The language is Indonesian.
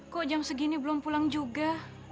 kok jam segini belum pulang juga